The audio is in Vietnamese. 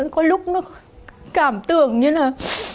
có lúc nó cảm tưởng như là